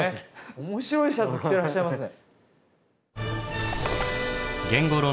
面白いシャツ着てらっしゃいますね。